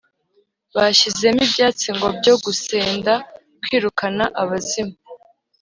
bashyizemo ibyatsi ngo byo gusenda (kwirukana) abazimu.